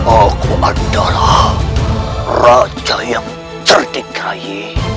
aku adalah raja yang cerdik rai